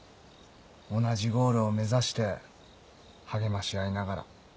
同じゴールを目指して励まし合いながら。